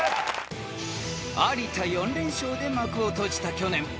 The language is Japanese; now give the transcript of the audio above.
［有田４連勝で幕を閉じた去年］